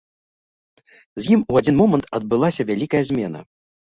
З ім у адзін момант адбылася вялікая змена.